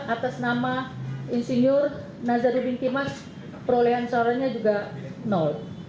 atas nama insinyur nazari intimas perolehan suaranya juga nol